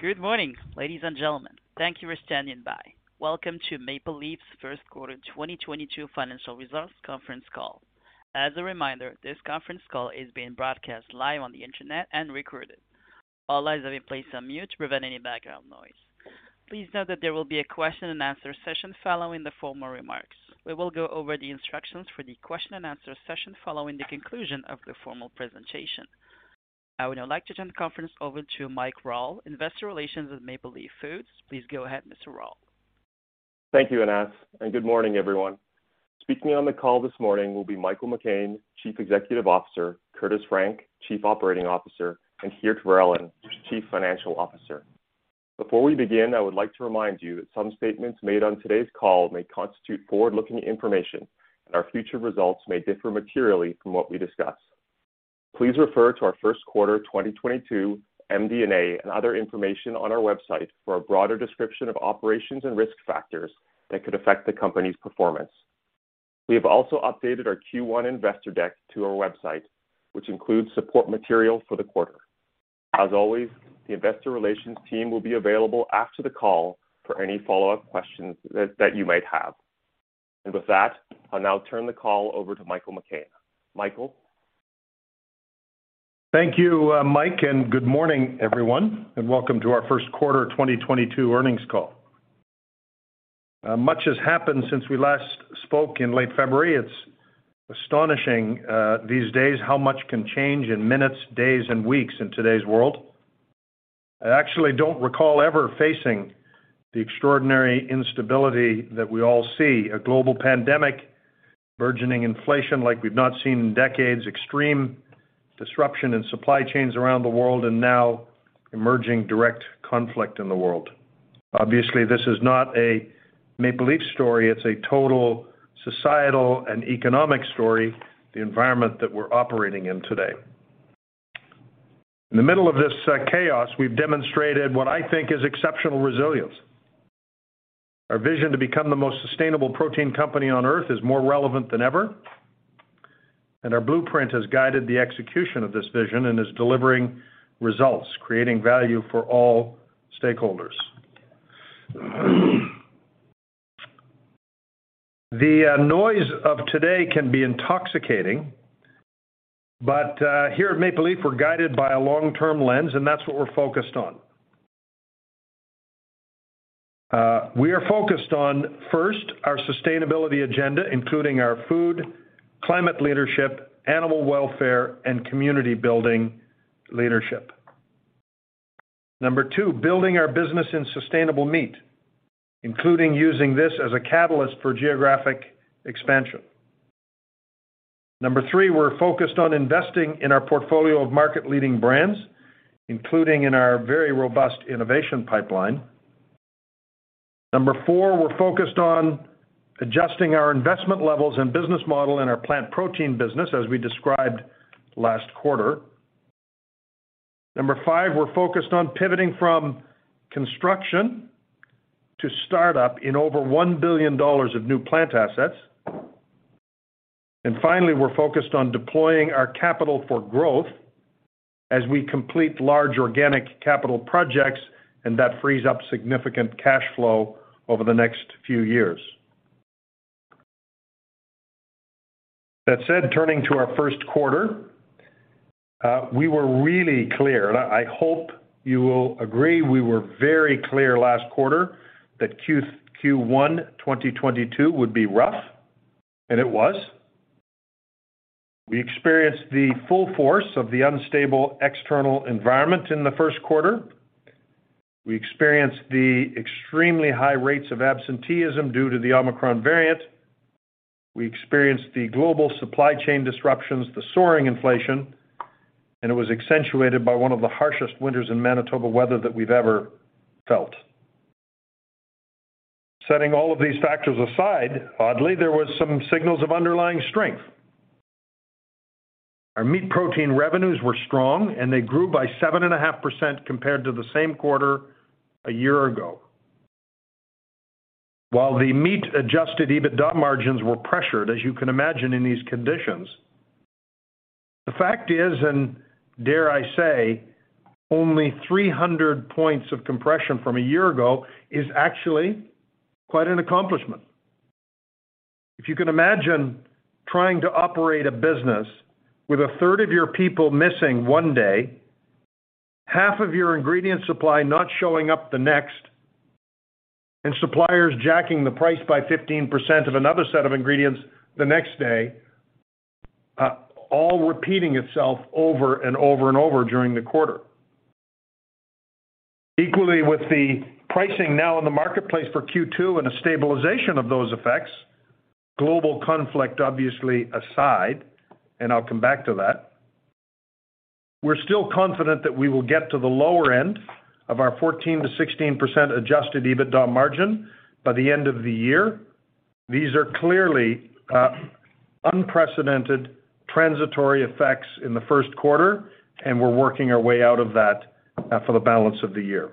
Good morning, ladies and gentlemen. Thank you for standing by. Welcome to Maple Leaf's Q1 2022 financial results conference call. As a reminder, this conference call is being broadcast live on the Internet and recorded. All lines have been placed on mute to prevent any background noise. Please note that there will be a question and answer session following the formal remarks. We will go over the instructions for the question and answer session following the conclusion of the formal presentation. I would now like to turn the conference over to Mike Rawle, Investor Relations with Maple Leaf Foods. Please go ahead, Mr. Rawle. Thank you, Anas, and good morning, everyone. Speaking on the call this morning will be Michael McCain, Chief Executive Officer, Curtis Frank, Chief Operating Officer, and Geert Verellen, Chief Financial Officer. Before we begin, I would like to remind you that some statements made on today's call may constitute forward-looking information, and our future results may differ materially from what we discuss. Please refer to our Q1 2022 MD&A and other information on our website for a broader description of operations and risk factors that could affect the company's performance. We have also updated our Q1 investor deck to our website, which includes support material for the quarter. As always, the investor relations team will be available after the call for any follow-up questions that you might have. With that, I'll now turn the call over to Michael McCain. Michael? Thank you, Mike, and good morning, everyone, and welcome to our Q1 2022 earnings call. Much has happened since we last spoke in late February. It's astonishing, these days how much can change in minutes, days, and weeks in today's world. I actually don't recall ever facing the extraordinary instability that we all see, a global pandemic, burgeoning inflation like we've not seen in decades, extreme disruption in supply chains around the world, and now emerging direct conflict in the world. Obviously, this is not a Maple Leaf story. It's a total societal and economic story, the environment that we're operating in today. In the middle of this chaos, we've demonstrated what I think is exceptional resilience. Our vision to become the most sustainable protein company on Earth is more relevant than ever, and our blueprint has guided the execution of this vision and is delivering results, creating value for all stakeholders. The noise of today can be intoxicating, but here at Maple Leaf, we're guided by a long-term lens, and that's what we're focused on. We are focused on, first, our sustainability agenda, including our food, climate leadership, animal welfare, and community building leadership. Number two, building our business in sustainable meat, including using this as a catalyst for geographic expansion. Number three, we're focused on investing in our portfolio of market-leading brands, including in our very robust innovation pipeline. Number four, we're focused on adjusting our investment levels and business model in our plant protein business, as we described last quarter. Number five, we're focused on pivoting from construction to start up in over 1 billion dollars of new plant assets. Finally, we're focused on deploying our capital for growth as we complete large organic capital projects, and that frees up significant cash flow over the next few years. That said, turning to our Q1, we were really clear, and I hope you will agree, we were very clear last quarter that Q1 2022 would be rough, and it was. We experienced the full force of the unstable external environment in the Q1. We experienced the extremely high rates of absenteeism due to the Omicron variant. We experienced the global supply chain disruptions, the soaring inflation, and it was accentuated by one of the harshest winters in Manitoba weather that we've ever felt. Setting all of these factors aside, oddly, there was some signals of underlying strength. Our meat protein revenues were strong, and they grew by 7.5% compared to the same quarter a year ago. While the meat Adjusted EBITDA margins were pressured, as you can imagine, in these conditions, the fact is, and dare I say, only 300 points of compression from a year ago is actually quite an accomplishment. If you can imagine trying to operate a business with a third of your people missing one day, half of your ingredient supply not showing up the next, and suppliers jacking the price by 15% of another set of ingredients the next day, all repeating itself over and over and over during the quarter. Equally, with the pricing now in the marketplace for Q2 and a stabilization of those effects, global conflict obviously aside, and I'll come back to that, we're still confident that we will get to the lower end of our 14%-16% adjusted EBITDA margin by the end of the year. These are clearly, unprecedented transitory effects in the Q1, and we're working our way out of that, for the balance of the year.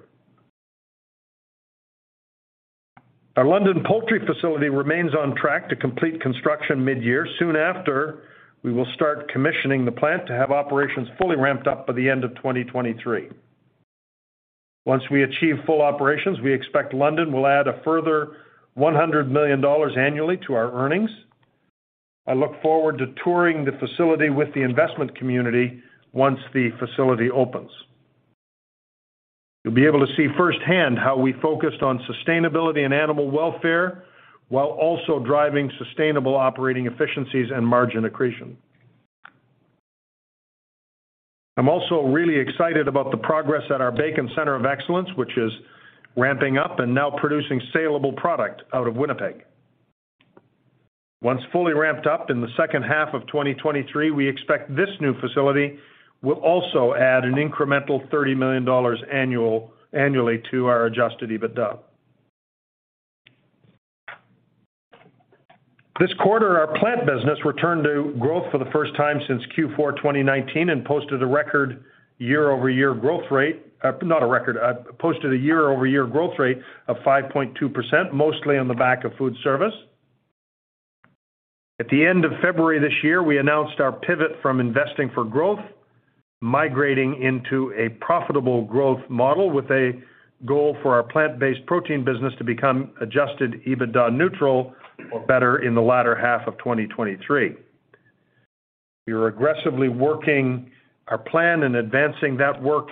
Our London poultry facility remains on track to complete construction mid-year. Soon after, we will start commissioning the plant to have operations fully ramped up by the end of 2023. Once we achieve full operations, we expect London will add a further 100 million dollars annually to our earnings. I look forward to touring the facility with the investment community once the facility opens. You'll be able to see firsthand how we focused on sustainability and animal welfare while also driving sustainable operating efficiencies and margin accretion. I'm also really excited about the progress at our bacon center of excellence, which is ramping up and now producing salable product out of Winnipeg. Once fully ramped up in the second half of 2023, we expect this new facility will also add an incremental 30 million dollars annually to our Adjusted EBITDA. This quarter, our plant business returned to growth for the first time since Q4 2019, and posted a year-over-year growth rate of 5.2%, mostly on the back of food service. At the end of February this year, we announced our pivot from investing for growth, migrating into a profitable growth model with a goal for our plant-based protein business to become Adjusted EBITDA neutral or better in the latter half of 2023. We are aggressively working our plan and advancing that work,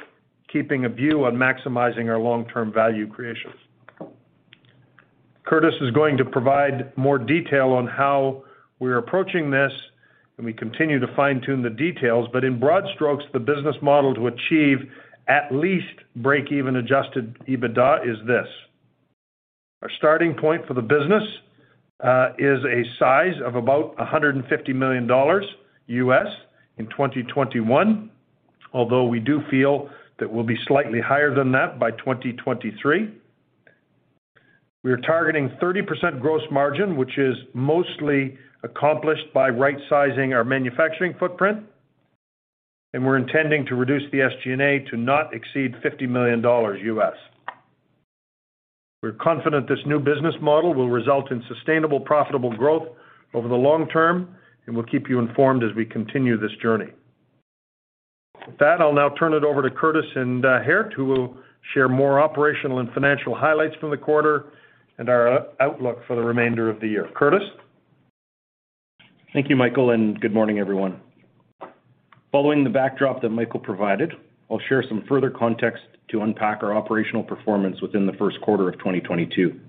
keeping a view on maximizing our long-term value creations. Curtis is going to provide more detail on how we're approaching this, and we continue to fine-tune the details. In broad strokes, the business model to achieve at least break-even Adjusted EBITDA is this, our starting point for the business is a size of about $150 million in 2021. Although we do feel that we'll be slightly higher than that by 2023. We are targeting 30% gross margin, which is mostly accomplished by right sizing our manufacturing footprint, and we're intending to reduce the SG&A to not exceed $50 million. We're confident this new business model will result in sustainable profitable growth over the long term, and we'll keep you informed as we continue this journey. With that, I'll now turn it over to Curtis and Geert, who will share more operational and financial highlights from the quarter and our outlook for the remainder of the year. Curtis? Thank you, Michael, and good morning, everyone. Following the backdrop that Michael provided, I'll share some further context to unpack our operational performance within the Q1 of 2022.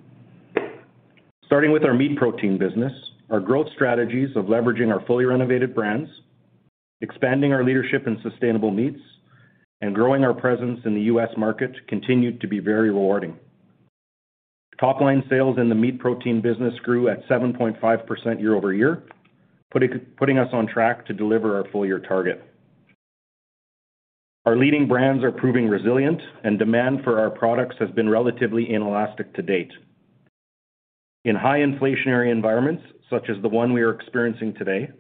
Starting with our meat protein business, our growth strategies of leveraging our fully renovated brands, expanding our leadership in sustainable meats, and growing our presence in the US market continued to be very rewarding. Top-line sales in the meat protein business grew at 7.5% year-over-year, putting us on track to deliver our full-year target. Our leading brands are proving resilient and demand for our products has been relatively inelastic to date. In high inflationary environments, such as the one we are experiencing today,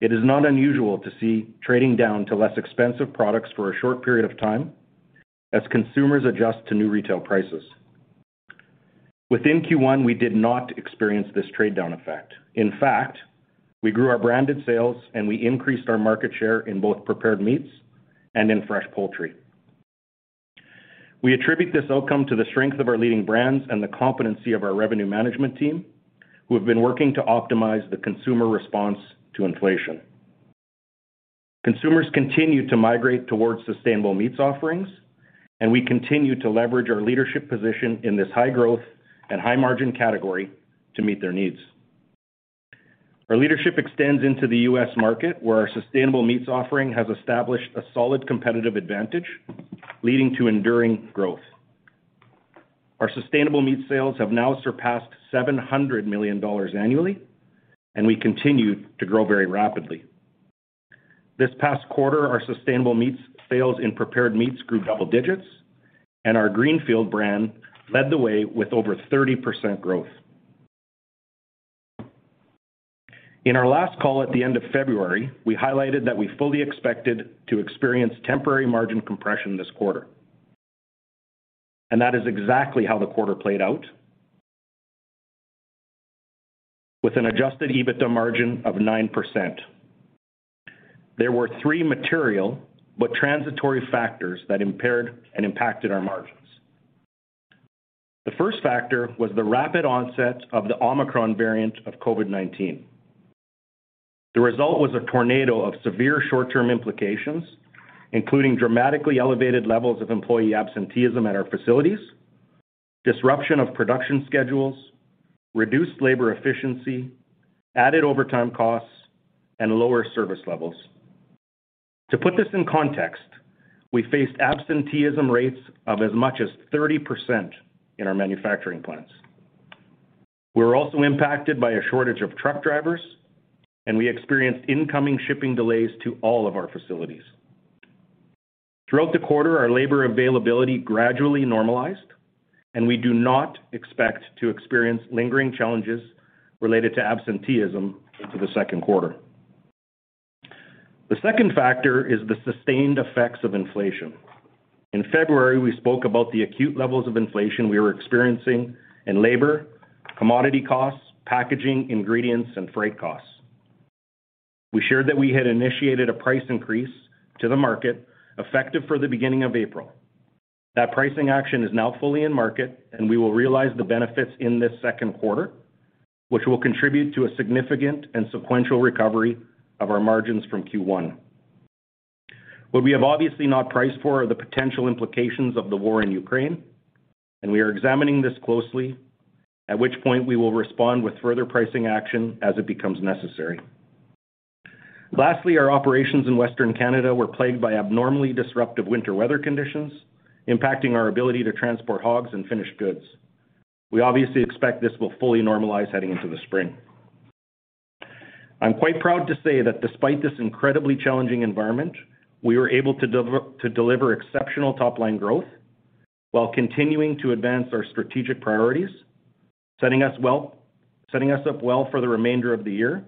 it is not unusual to see trading down to less expensive products for a short period of time as consumers adjust to new retail prices. Within Q1, we did not experience this trade-down effect. In fact, we grew our branded sales and we increased our market share in both prepared meats and in fresh poultry. We attribute this outcome to the strength of our leading brands and the competency of our revenue management team, who have been working to optimize the consumer response to inflation. Consumers continue to migrate towards sustainable meats offerings, and we continue to leverage our leadership position in this high-growth and high-margin category to meet their needs. Our leadership extends into the U.S. market, where our sustainable meats offering has established a solid competitive advantage leading to enduring growth. Our sustainable meat sales have now surpassed $700 million annually, and we continue to grow very rapidly. This past quarter, our sustainable meats sales in prepared meats grew double digits, and our Greenfield brand led the way with over 30% growth. In our last call at the end of February, we highlighted that we fully expected to experience temporary margin compression this quarter, and that is exactly how the quarter played out with an Adjusted EBITDA margin of 9%. There were three material but transitory factors that impaired and impacted our margins. The first factor was the rapid onset of the Omicron variant of COVID-19. The result was a tornado of severe short-term implications, including dramatically elevated levels of employee absenteeism at our facilities, disruption of production schedules, reduced labor efficiency, added overtime costs, and lower service levels. To put this in context, we faced absenteeism rates of as much as 30% in our manufacturing plants. We were also impacted by a shortage of truck drivers, and we experienced incoming shipping delays to all of our facilities. Throughout the quarter, our labor availability gradually normalized, and we do not expect to experience lingering challenges related to absenteeism into the Q2. The second factor is the sustained effects of inflation. In February, we spoke about the acute levels of inflation we were experiencing in labor, commodity costs, packaging, ingredients, and freight costs. We shared that we had initiated a price increase to the market effective for the beginning of April. That pricing action is now fully in market, and we will realize the benefits in this Q2, which will contribute to a significant and sequential recovery of our margins from Q1. What we have obviously not priced for are the potential implications of the war in Ukraine, and we are examining this closely, at which point we will respond with further pricing action as it becomes necessary. Our operations in Western Canada were plagued by abnormally disruptive winter weather conditions, impacting our ability to transport hogs and finished goods. We obviously expect this will fully normalize heading into the spring. I'm quite proud to say that despite this incredibly challenging environment, we were able to to deliver exceptional top-line growth while continuing to advance our strategic priorities, setting us up well for the remainder of the year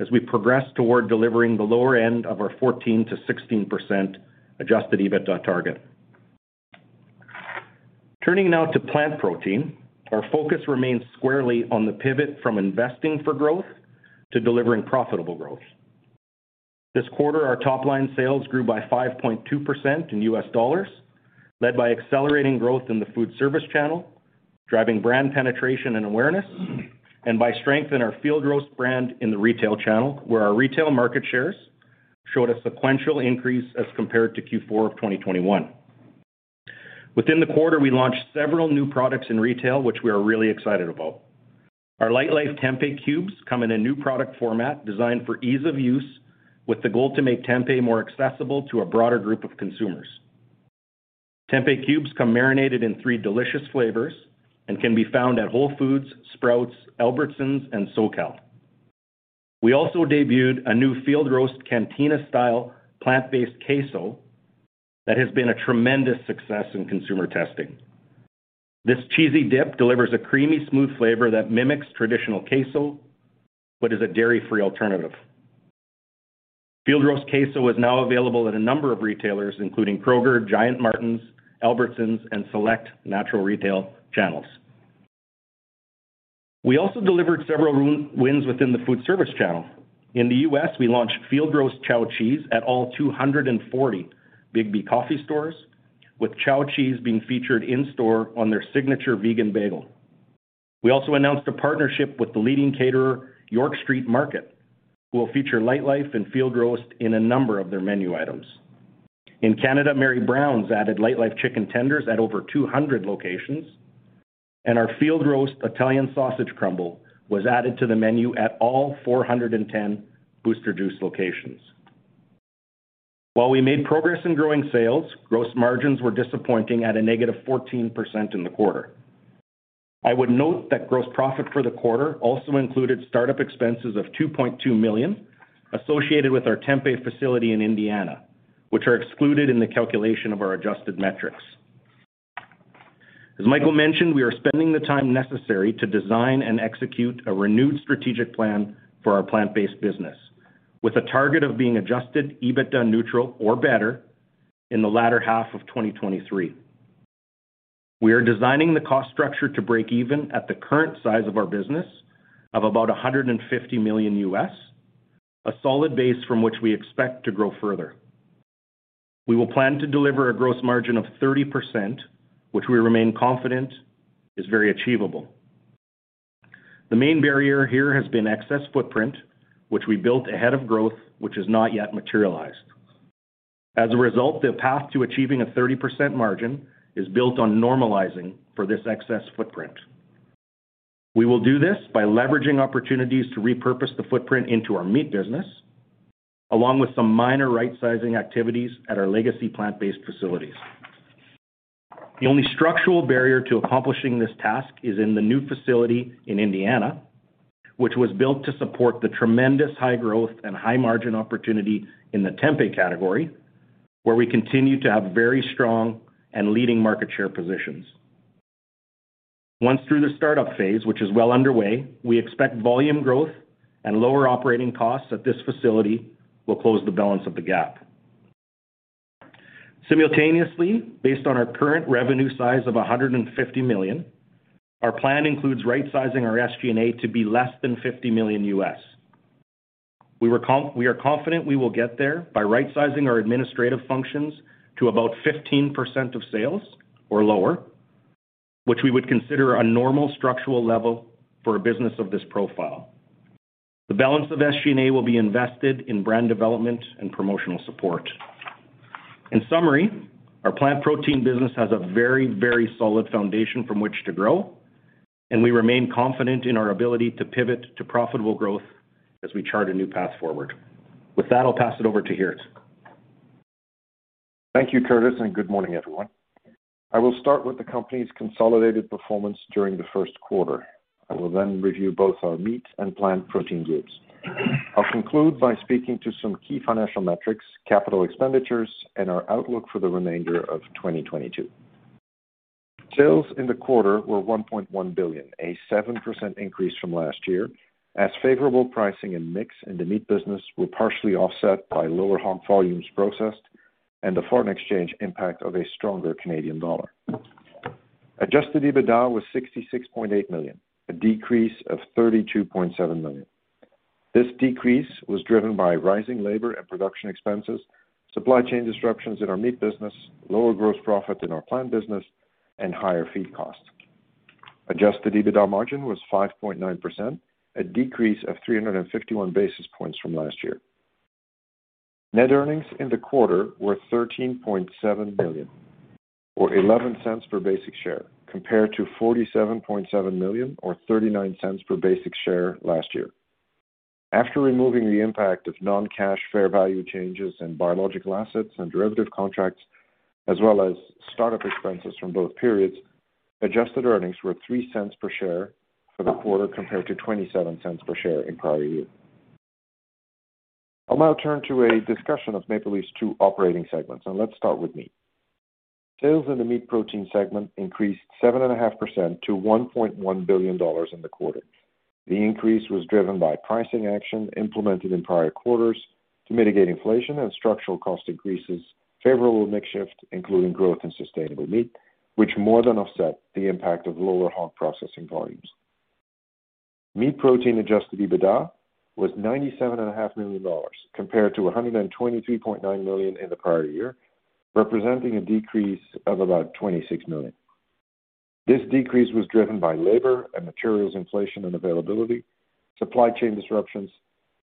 as we progress toward delivering the lower end of our 14%-16% Adjusted EBITDA target. Turning now to plant protein. Our focus remains squarely on the pivot from investing for growth to delivering profitable growth. This quarter, our top-line sales grew by 5.2% in U.S. dollars, led by accelerating growth in the food service channel, driving brand penetration and awareness, and by strength in our Field Roast brand in the retail channel, where our retail market shares showed a sequential increase as compared to Q4 of 2021. Within the quarter, we launched several new products in retail, which we are really excited about. Our Lightlife Tempeh Cubes come in a new product format designed for ease of use, with the goal to make tempeh more accessible to a broader group of consumers. Tempeh Cubes come marinated in three delicious flavors and can be found at Whole Foods, Sprouts, Albertsons, and SoCal. We also debuted a new Field Roast Cantina Style Plant-Based Queso that has been a tremendous success in consumer testing. This cheesy dip delivers a creamy, smooth flavor that mimics traditional queso but is a dairy-free alternative. Field Roast queso is now available at a number of retailers, including Kroger, Giant/Martin's, Albertsons, and select natural retail channels. We also delivered several wins within the food service channel. In the U.S., we launched Field Roast Chao Cheese at all 240 Biggby Coffee stores, with Chao Cheese being featured in-store on their signature vegan bagel. We also announced a partnership with the leading caterer York Street Market, who will feature Lightlife and Field Roast in a number of their menu items. In Canada, Mary Brown's added Lightlife chicken tenders at over 200 locations, and our Field Roast Italian sausage crumble was added to the menu at all 410 Booster Juice locations. While we made progress in growing sales, gross margins were disappointing at -14% in the quarter. I would note that gross profit for the quarter also included startup expenses of 2.2 million associated with our tempeh facility in Indiana, which are excluded in the calculation of our adjusted metrics. As Michael mentioned, we are spending the time necessary to design and execute a renewed strategic plan for our plant-based business, with a target of being adjusted EBITDA neutral or better in the latter half of 2023. We are designing the cost structure to break even at the current size of our business of about $150 million, a solid base from which we expect to grow further. We will plan to deliver a gross margin of 30%, which we remain confident is very achievable. The main barrier here has been excess footprint, which we built ahead of growth, which has not yet materialized. As a result, the path to achieving a 30% margin is built on normalizing for this excess footprint. We will do this by leveraging opportunities to repurpose the footprint into our meat business, along with some minor rightsizing activities at our legacy plant-based facilities. The only structural barrier to accomplishing this task is in the new facility in Indiana, which was built to support the tremendous high growth and high margin opportunity in the Tempeh category, where we continue to have very strong and leading market share positions. Once through the startup phase, which is well underway, we expect volume growth and lower operating costs at this facility will close the balance of the gap. Simultaneously, based on our current revenue size of $150 million, our plan includes rightsizing our SG&A to be less than $50 million. We are confident we will get there by rightsizing our administrative functions to about 15% of sales or lower, which we would consider a normal structural level for a business of this profile. The balance of SG&A will be invested in brand development and promotional support. In summary, our plant protein business has a very, very solid foundation from which to grow, and we remain confident in our ability to pivot to profitable growth as we chart a new path forward. With that, I'll pass it over to Geert. Thank you, Curtis, and good morning, everyone. I will start with the company's consolidated performance during the Q1. I will then review both our meat and plant protein groups. I'll conclude by speaking to some key financial metrics, capital expenditures, and our outlook for the remainder of 2022. Sales in the quarter were 1.1 billion, a 7% increase from last year, as favorable pricing and mix in the meat business were partially offset by lower hog volumes processed and the foreign exchange impact of a stronger Canadian dollar. Adjusted EBITDA was 66.8 million, a decrease of 32.7 million. This decrease was driven by rising labor and production expenses, supply chain disruptions in our meat business, lower gross profit in our plant business, and higher feed costs. Adjusted EBITDA margin was 5.9%, a decrease of 351 basis points from last year. Net earnings in the quarter were 13.7 million or 11 cents per basic share, compared to 47.7 million or 39 cents per basic share last year. After removing the impact of non-cash fair value changes in biological assets and derivative contracts as well as startup expenses from both periods, adjusted earnings were 3 cents per share for the quarter compared to 27 cents per share in prior year. I'll now turn to a discussion of Maple Leaf Foods's two operating segments. Let's start with meat. Sales in the meat protein segment increased 7.5% to 1.1 billion dollars in the quarter. The increase was driven by pricing action implemented in prior quarters to mitigate inflation and structural cost increases, favorable mix shift, including growth in sustainable meat, which more than offset the impact of lower hog processing volumes. Meat Protein Adjusted EBITDA was 97.5 million dollars compared to 123.9 million in the prior year, representing a decrease of about 26 million. This decrease was driven by labor and materials inflation and availability, supply chain disruptions,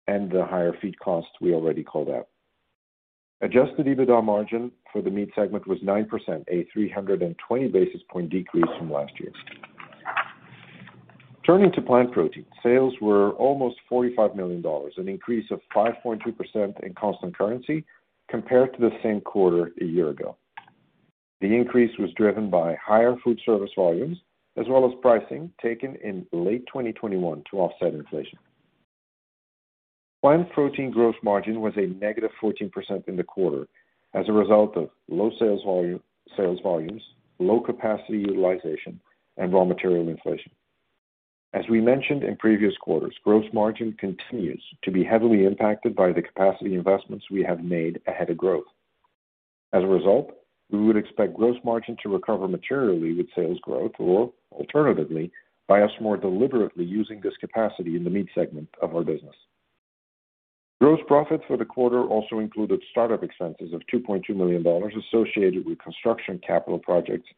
and the higher feed costs we already called out. Adjusted EBITDA margin for the meat segment was 9%, a 320 basis point decrease from last year. Turning to plant protein, sales were almost 45 million dollars, an increase of 5.2% in constant currency compared to the same quarter a year ago. The increase was driven by higher food service volumes as well as pricing taken in late 2021 to offset inflation. Plant protein gross margin was -14% in the quarter as a result of low sales volumes, low capacity utilization, and raw material inflation. As we mentioned in previous quarters, gross margin continues to be heavily impacted by the capacity investments we have made ahead of growth. As a result, we would expect gross margin to recover materially with sales growth, or alternatively, by us more deliberately using this capacity in the meat segment of our business. Gross profit for the quarter also included startup expenses of 2.2 million dollars associated with construction capital projects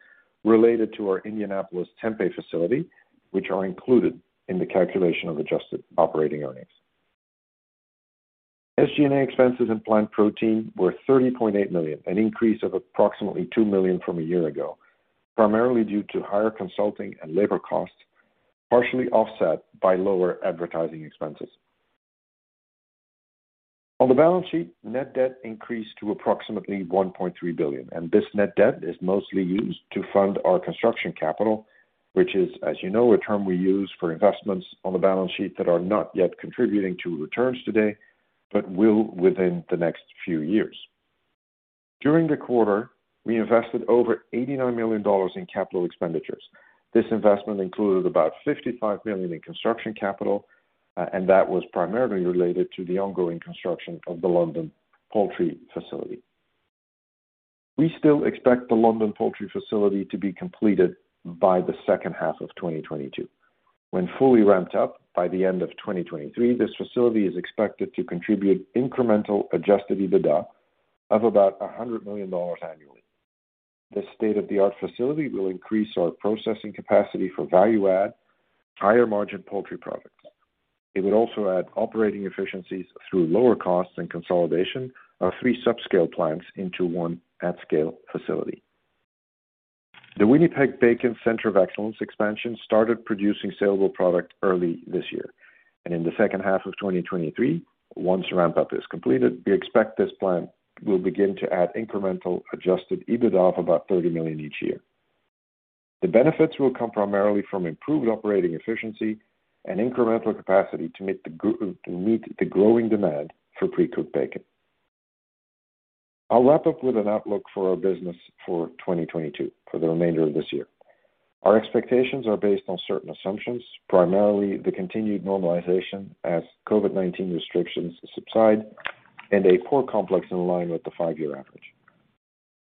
related to our Indianapolis tempeh facility, which are included in the calculation of adjusted operating earnings. SG&A expenses in plant protein were 30.8 million, an increase of approximately 2 million from a year ago, primarily due to higher consulting and labor costs, partially offset by lower advertising expenses. On the balance sheet, net debt increased to approximately 1.3 billion, and this net debt is mostly used to fund our construction capital, which is, as you know, a term we use for investments on the balance sheet that are not yet contributing to returns today but will within the next few years. During the quarter, we invested over 89 million dollars in capital expenditures. This investment included about 55 million in construction capital, and that was primarily related to the ongoing construction of the London poultry facility. We still expect the London poultry facility to be completed by the second half of 2022. When fully ramped up by the end of 2023, this facility is expected to contribute incremental Adjusted EBITDA of about 100 million dollars annually. This state-of-the-art facility will increase our processing capacity for value add, higher margin poultry products. It would also add operating efficiencies through lower costs and consolidation of three subscale plants into one at-scale facility. The Winnipeg Bacon Center of Excellence expansion started producing salable product early this year. In the second half of 2023, once ramp up is completed, we expect this plant will begin to add incremental Adjusted EBITDA of about 30 million each year. The benefits will come primarily from improved operating efficiency and incremental capacity to meet the growing demand for pre-cooked bacon. I'll wrap up with an outlook for our business for 2022, for the remainder of this year. Our expectations are based on certain assumptions, primarily the continued normalization as COVID-19 restrictions subside and a pork complex in line with the five-year average.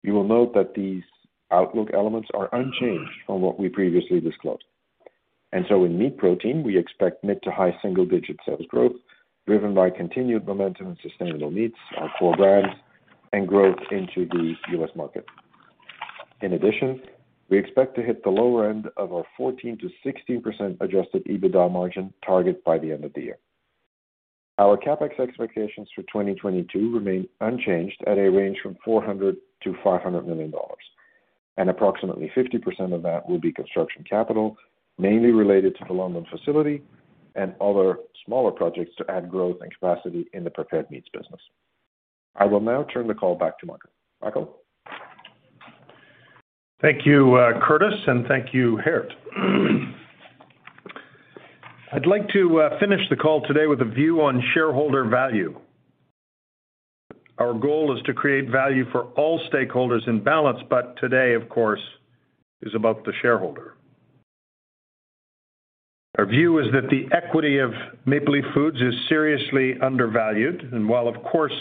You will note that these outlook elements are unchanged from what we previously disclosed. In meat protein, we expect mid to high single-digit sales growth driven by continued momentum in sustainable meats, our core brands, and growth into the U.S. market. In addition, we expect to hit the lower end of our 14%-16% adjusted EBITDA margin target by the end of the year. Our CapEx expectations for 2022 remain unchanged at a range from 400 million to 500 million dollars. Approximately 50% of that will be construction capital, mainly related to the London facility and other smaller projects to add growth and capacity in the prepared meats business. I will now turn the call back to Michael. Michael? Thank you, Curtis, and thank you, Geert. I'd like to finish the call today with a view on shareholder value. Our goal is to create value for all stakeholders in balance, but today, of course, is about the shareholder. Our view is that the equity of Maple Leaf Foods is seriously undervalued, and while of course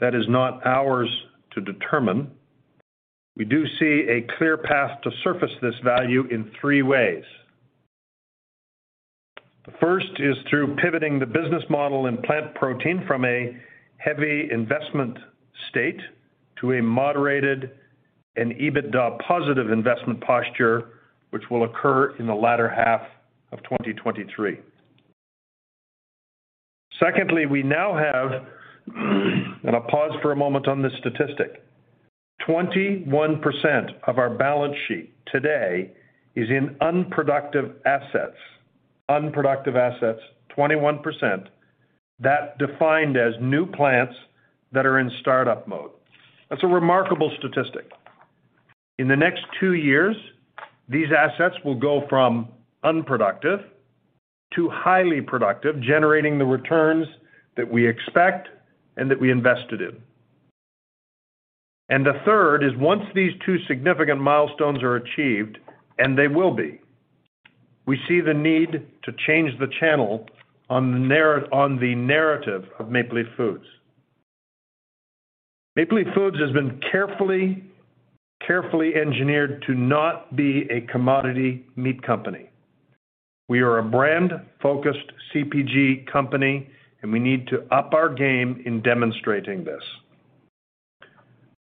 that is not ours to determine, we do see a clear path to surface this value in three ways. The first is through pivoting the business model in plant protein from a heavy investment state to a moderated and EBITDA positive investment posture, which will occur in the latter half of 2023. Secondly, we now have, and I'll pause for a moment on this statistic, 21% of our balance sheet today is in unproductive assets. Unproductive assets, 21%, that defined as new plants that are in startup mode. That's a remarkable statistic. In the next two years, these assets will go from unproductive to highly productive, generating the returns that we expect and that we invested in. The third is, once these two significant milestones are achieved, and they will be, we see the need to change the channel on the narrative of Maple Leaf Foods. Maple Leaf Foods has been carefully engineered to not be a commodity meat company. We are a brand-focused CPG company, and we need to up our game in demonstrating this.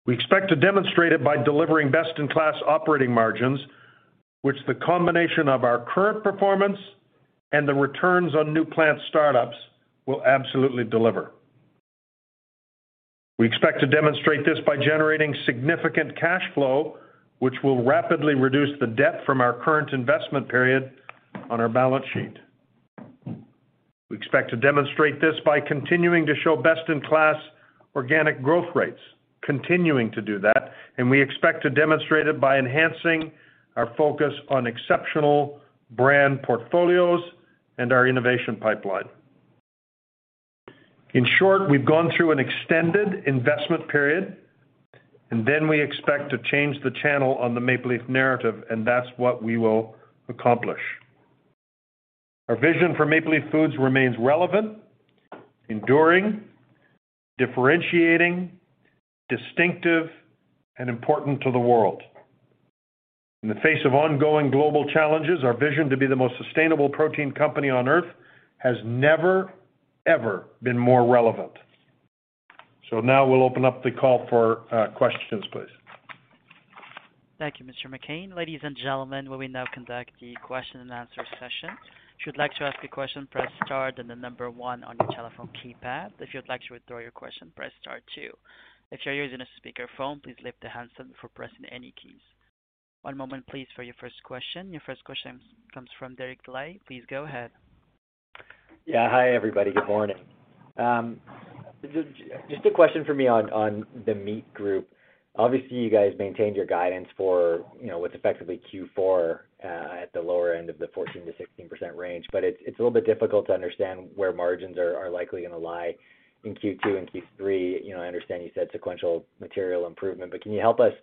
We expect to demonstrate it by delivering best-in-class operating margins, which the combination of our current performance and the returns on new plant startups will absolutely deliver. We expect to demonstrate this by generating significant cash flow, which will rapidly reduce the debt from our current investment period on our balance sheet. We expect to demonstrate this by continuing to show best-in-class organic growth rates, continuing to do that, and we expect to demonstrate it by enhancing our focus on exceptional brand portfolios and our innovation pipeline. In short, we've gone through an extended investment period, and then we expect to change the channel on the Maple Leaf narrative, and that's what we will accomplish. Our vision for Maple Leaf Foods remains relevant, enduring, differentiating, distinctive, and important to the world. In the face of ongoing global challenges, our vision to be the most sustainable protein company on Earth has never, ever been more relevant. Now we'll open up the call for questions, please. Thank you, Mr. McCain. Ladies and gentlemen, we will now conduct the question and answer session. If you'd like to ask a question, press star then the number one on your telephone keypad. If you'd like to withdraw your question, press star two. If you're using a speaker phone, please lift the handset before pressing any keys. One moment please for your first question. Your first question comes from Derek Dley. Please go ahead. Yeah. Hi, everybody. Good morning. Just a question for me on the meat group. Obviously, you guys maintained your guidance for what's effectively Q4 at the lower end of the 14%-16% range. It's a little bit difficult to understand where margins are likely gonna lie in Q2 and Q3. You know, I understand you said sequential material improvement, but can you help us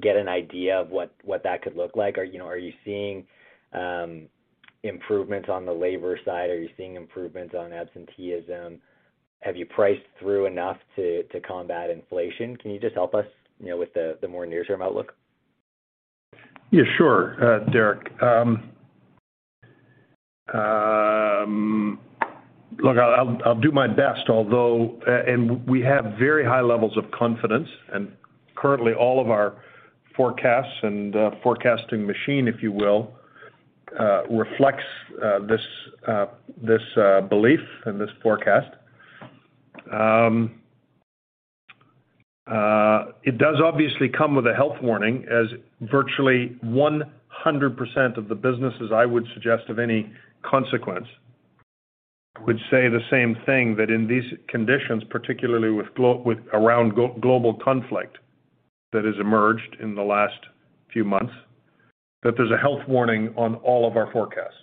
get an idea of what that could look like? Are you seeing improvements on the labor side? Are you seeing improvements on absenteeism? Have you priced through enough to combat inflation? Can you just help us with the more near-term outlook? Yeah, sure, Derek. Look, I'll do my best, although we have very high levels of confidence. Currently, all of our forecasts and forecasting machine, if you will, reflects this belief and this forecast. It does obviously come with a health warning as virtually 100% of the businesses, I would suggest, of any consequence, would say the same thing that in these conditions, particularly with the ongoing global conflict that has emerged in the last few months, that there's a health warning on all of our forecasts.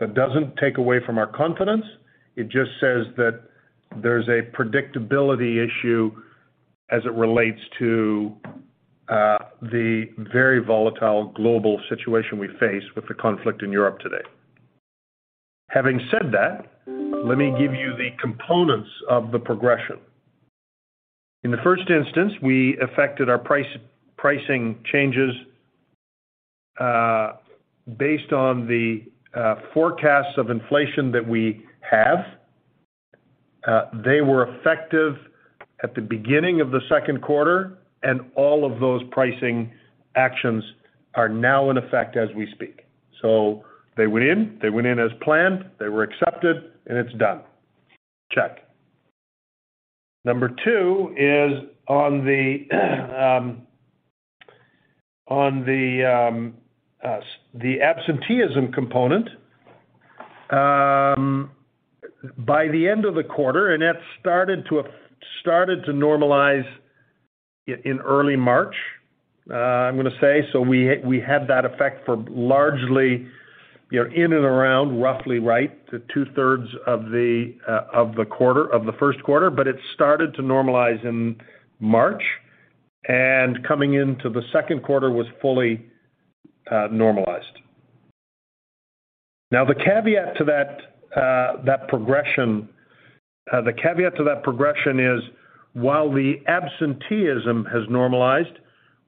That doesn't take away from our confidence. It just says that there's a predictability issue as it relates to the very volatile global situation we face with the conflict in Europe today. Having said that, let me give you the components of the progression. In the first instance, we effected our pricing changes based on the forecasts of inflation that we have. They were effective at the beginning of the Q2, and all of those pricing actions are now in effect as we speak. They went in as planned, they were accepted, and it's done. Check. Number two is on the absenteeism component. By the end of the quarter, that started to normalize in early March, I'm gonna say. We had that effect for largely, you know, in and around roughly two-thirds of the Q1. It started to normalize in March, and coming into the Q2was fully normalized. Now, the caveat to that progression is while the absenteeism has normalized,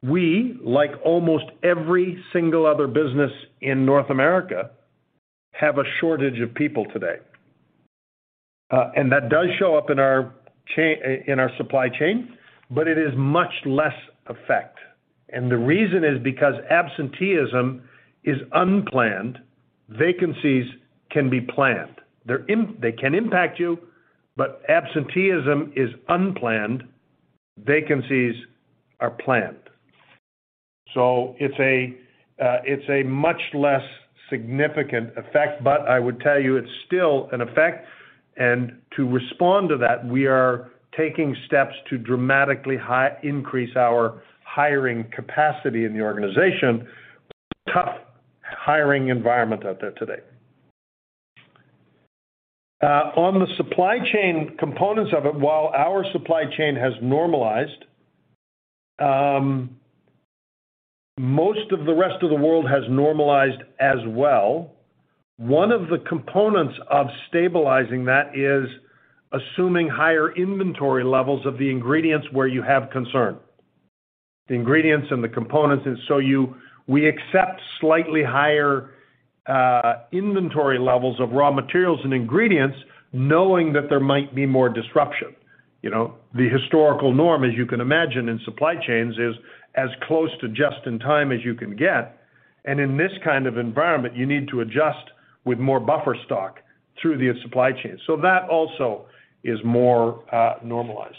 we, like almost every single other business in North America, have a shortage of people today. That does show up in our supply chain, but it is much less effect. The reason is because absenteeism is unplanned, vacancies can be planned. They can impact you, but absenteeism is unplanned, vacancies are planned. It's a much less significant effect, but I would tell you it's still an effect. To respond to that, we are taking steps to dramatically increase our hiring capacity in the organization. It's a tough hiring environment out there today. On the supply chain components of it, while our supply chain has normalized, most of the rest of the world has normalized as well. One of the components of stabilizing that is assuming higher inventory levels of the ingredients where you have concern. The ingredients and the components, we accept slightly higher inventory levels of raw materials and ingredients, knowing that there might be more disruption. You know, the historical norm, as you can imagine in supply chains, is as close to just in time as you can get. In this kind of environment, you need to adjust with more buffer stock through the supply chain. That also is more normalized.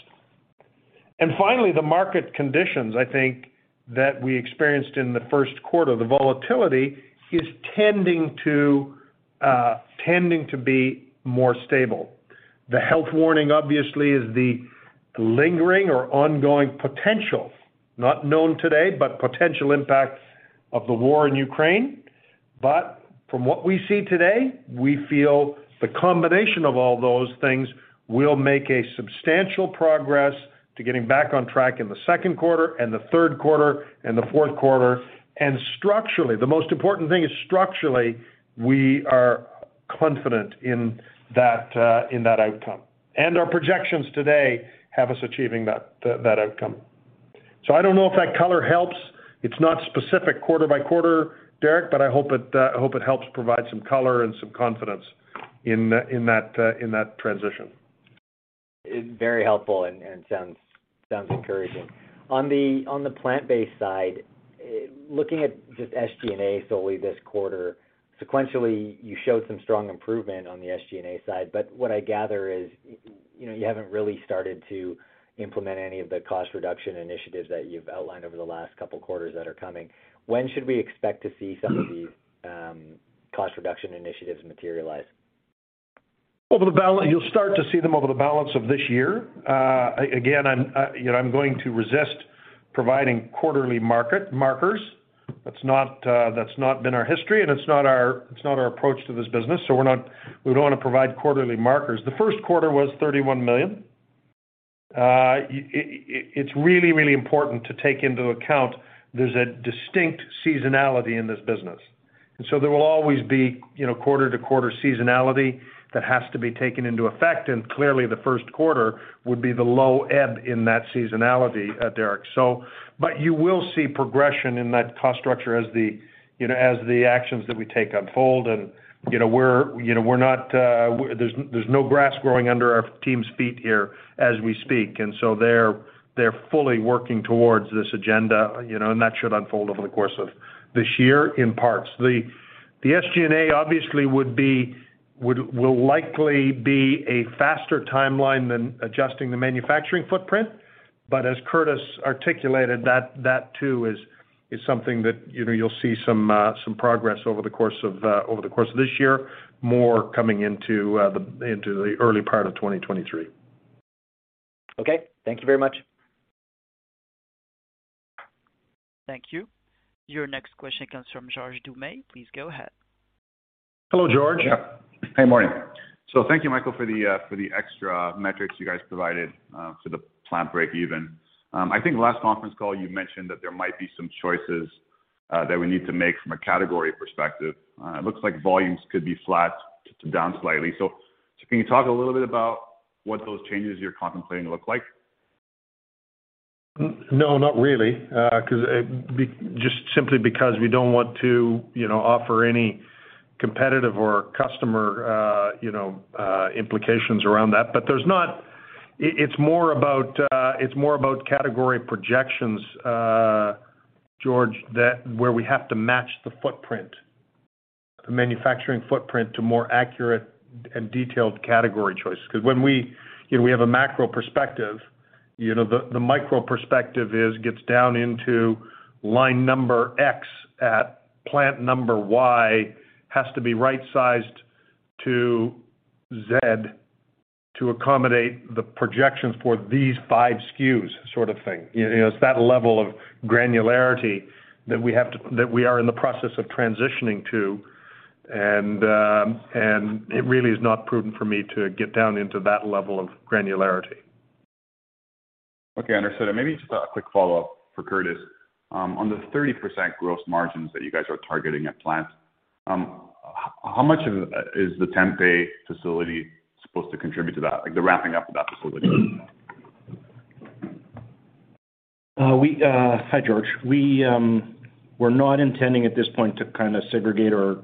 Finally, the market conditions, I think that we experienced in the Q1, the volatility is tending to be more stable. The health warning, obviously, is the lingering or ongoing potential, not known today, but potential impact of the war in Ukraine. From what we see today, we feel the combination of all those things will make a substantial progress to getting back on track in the Q2 and the Q3 and the Q4. Structurally, the most important thing is, we are confident in that outcome. Our projections today have us achieving that outcome. I don't know if that color helps. It's not specific quarter by quarter, Derek, but I hope it, I hope it helps provide some color and some confidence in that transition. It's very helpful and sounds encouraging. On the plant-based side, looking at just SG&A solely this quarter, sequentially, you showed some strong improvement on the SG&A side. What I gather is, you know, you haven't really started to implement any of the cost reduction initiatives that you've outlined over the last couple of quarters that are coming. When should we expect to see some of these cost reduction initiatives materialize? You'll start to see them over the balance of this year. Again, you know, I'm going to resist providing quarterly milestones. That's not been our history, and it's not our approach to this business, so we don't wanna provide quarterly milestones. The Q1 was 31 million. It's really important to take into account there's a distinct seasonality in this business. There will always be, you know, quarter-to-quarter seasonality that has to be taken into effect, and clearly the Q1 would be the low ebb in that seasonality, Derek. You will see progression in that cost structure as the, you know, as the actions that we take unfold. You know, we're not, there's no grass growing under our team's feet here as we speak. They're fully working towards this agenda, you know, and that should unfold over the course of this year in parts. The SG&A obviously will likely be a faster timeline than adjusting the manufacturing footprint. As Curtis articulated, that too is something that, you know, you'll see some progress over the course of this year, more coming into the early part of 2023. Okay. Thank you very much. Thank you. Your next question comes from George Doumet. Please go ahead. Hello, George. Yeah. Hey, morning. Thank you, Michael, for the extra metrics you guys provided for the plant breakeven. I think last conference call you mentioned that there might be some choices that we need to make from a category perspective. It looks like volumes could be flat to down slightly. Can you talk a little bit about what those changes you're contemplating look like? No, not really. 'Cause just simply because we don't want to, you know, offer any competitive or customer, you know, implications around that. There's not. It's more about, it's more about category projections, George, that where we have to match the footprint, the manufacturing footprint to more accurate and detailed category choices. 'Cause when we, you know, we have a macro perspective. You know, the micro perspective is, gets down into line number X at plant number Y, has to be right-sized to Z to accommodate the projections for these five SKUs sort of thing. You know, it's that level of granularity that we have to that we are in the process of transitioning to. It really is not prudent for me to get down into that level of granularity. Okay, understood. Maybe just a quick follow-up for Curtis. On the 30% gross margins that you guys are targeting at plants, is the Tempeh facility supposed to contribute to that? Like, the ramping up of that facility? Hi, George. We're not intending at this point to kind of segregate or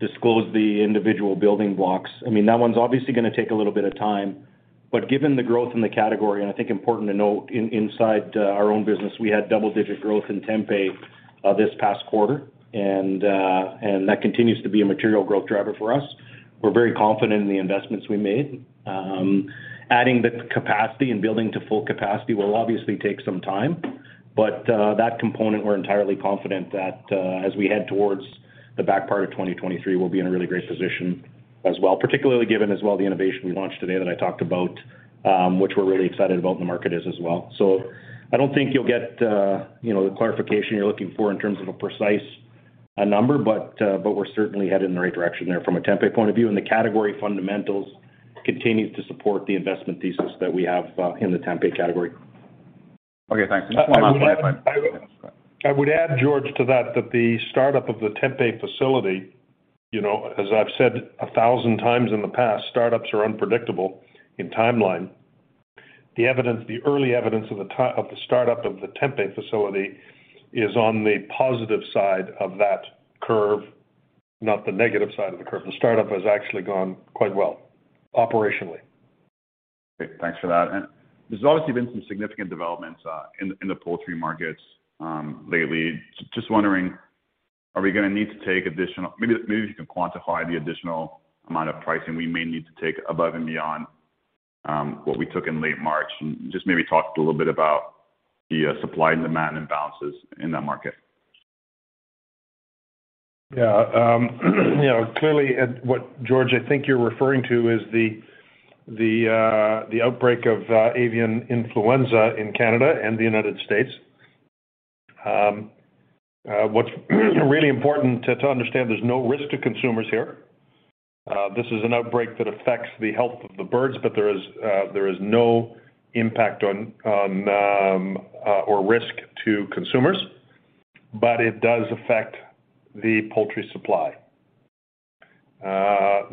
disclose the individual building blocks. I mean, that one's obviously gonna take a little bit of time. Given the growth in the category, and I think important to note, inside our own business, we had double-digit growth in Tempeh this past quarter. That continues to be a material growth driver for us. We're very confident in the investments we made. Adding the capacity and building to full capacity will obviously take some time. That component, we're entirely confident that as we head towards the back part of 2023, we'll be in a really great position as well. Particularly given as well the innovation we launched today that I talked about, which we're really excited about, and the market is as well. I don't think you'll get, you know, the clarification you're looking for in terms of a precise number, but we're certainly headed in the right direction there from a Tempeh point of view. The category fundamentals continues to support the investment thesis that we have in the Tempeh category. Okay, thanks. Just one last one. I would add, George, to that the startup of the Tempeh facility, you know, as I've said a thousand times in the past, startups are unpredictable in timeline. The evidence, the early evidence of the startup of the Tempeh facility is on the positive side of that curve, not the negative side of the curve. The startup has actually gone quite well operationally. Great. Thanks for that. There's obviously been some significant developments in the poultry markets lately. Just wondering, are we gonna need to take additional. Maybe you can quantify the additional amount of pricing we may need to take above and beyond what we took in late March. Just maybe talk a little bit about the supply and demand imbalances in that market. Yeah. You know, clearly, what George, I think you're referring to is the outbreak of avian influenza in Canada and the United States. What's really important to understand, there's no risk to consumers here. This is an outbreak that affects the health of the birds, but there is no impact on or risk to consumers. It does affect the poultry supply.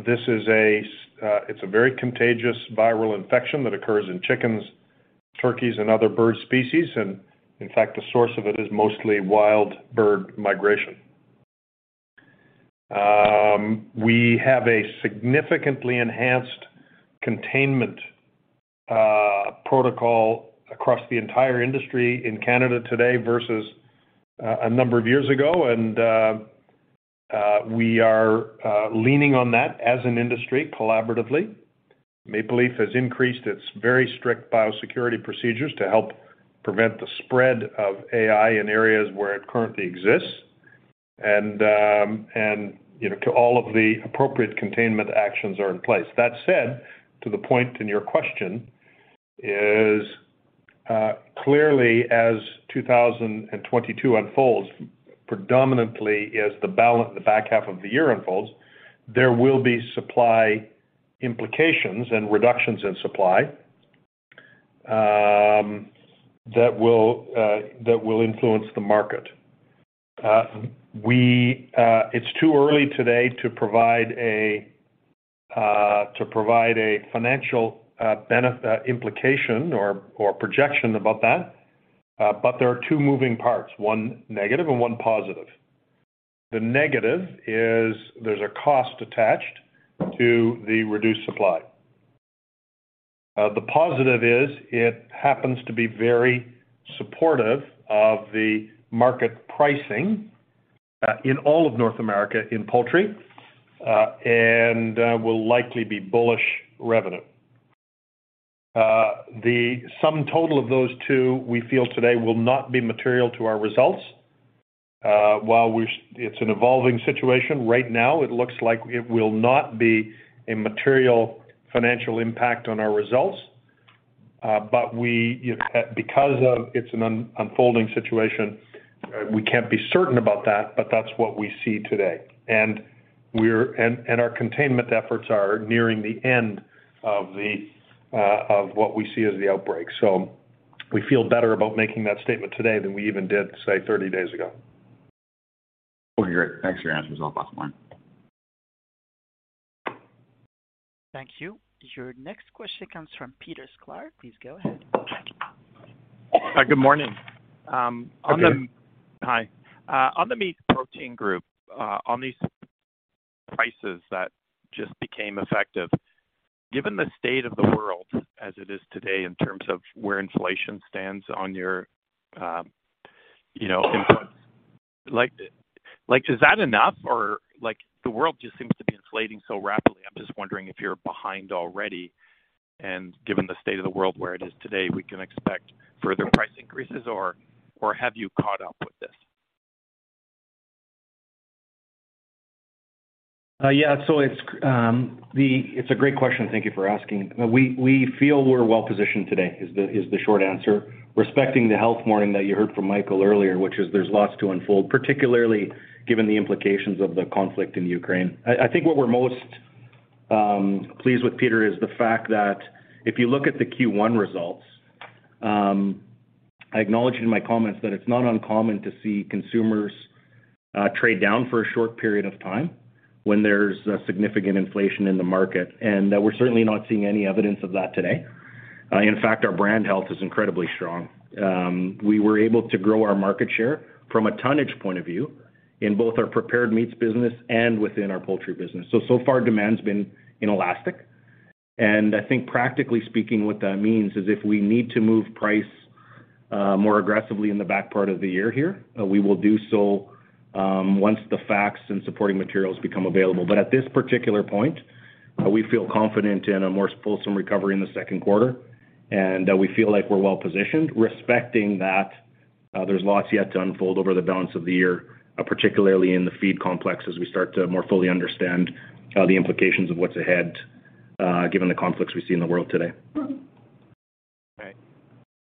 This is a very contagious viral infection that occurs in chickens, turkeys, and other bird species. In fact, the source of it is mostly wild bird migration. We have a significantly enhanced containment protocol across the entire industry in Canada today versus a number of years ago. We are leaning on that as an industry collaboratively. Maple Leaf has increased its very strict biosecurity procedures to help prevent the spread of AI in areas where it currently exists. That all of the appropriate containment actions are in place. That said, the point of your question is clearly, as 2022 unfolds, predominantly as the back half of the year unfolds, there will be supply implications and reductions in supply that will influence the market. It's too early today to provide a financial implication or projection about that, but there are two moving parts, one negative and one positive. The negative is there's a cost attached to the reduced supply. The positive is it happens to be very supportive of the market pricing in all of North America in poultry and will likely be bullish revenue. The sum total of those two, we feel today will not be material to our results. It's an evolving situation right now, it looks like it will not be a material financial impact on our results. But we, because it's an unfolding situation, we can't be certain about that, but that's what we see today. And our containment efforts are nearing the end of what we see as the outbreak. We feel better about making that statement today than we even did, say, 30 days ago. Okay, great. Thanks for your answers. I'll pass on. Thank you. Your next question comes from Peter Sklar. Please go ahead. Hi, good morning. Hi, Peter. Hi. On the meat protein group, on these prices that just became effective, given the state of the world as it is today in terms of where inflation stands on your, you know, inputs—like is that enough? Or like the world just seems to be inflating so rapidly. I'm just wondering if you're behind already and given the state of the world where it is today, we can expect further price increases or have you caught up with this? It's a great question. Thank you for asking. We feel we're well positioned today, is the short answer. Respecting the health warning that you heard from Michael earlier, which is there's lots to unfold, particularly given the implications of the conflict in Ukraine. I think what we're most pleased with, Peter, is the fact that if you look at the Q1 results, I acknowledge in my comments that it's not uncommon to see consumers trade down for a short period of time when there's a significant inflation in the market. We're certainly not seeing any evidence of that today. In fact, our brand health is incredibly strong. We were able to grow our market share from a tonnage point of view in both our prepared meats business and within our poultry business. So far demand's been inelastic. I think practically speaking, what that means is if we need to move price more aggressively in the back part of the year here, we will do so once the facts and supporting materials become available. At this particular point, we feel confident in a more fulsome recovery in the Q2, and we feel like we're well positioned, respecting that there's lots yet to unfold over the balance of the year, particularly in the feed complex as we start to more fully understand the implications of what's ahead given the conflicts we see in the world today. Right.